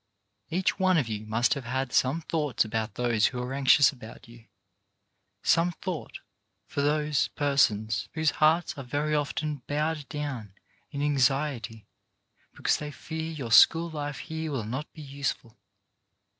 Each one of you must have had some thoughts about those who are anxious about you, some thought for those persons whose hearts are very often bowed down in anxiety because they fear your school life here will not be successful.